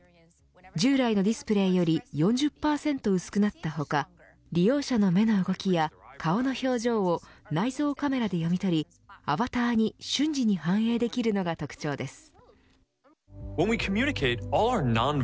従来のディスプレーより４０％薄くなった他利用者の目の動きや顔の表情を内蔵カメラで読み取りアバターに瞬時に反映できるのが特徴です。